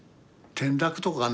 転落とかね。